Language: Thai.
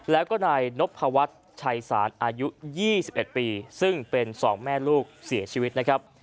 แล้วก็นายนพวัฒน์ชัยศาลอายุ๒๑ปีซึ่งเป็น๒แม่ลูกเสียชีวิตนะครับ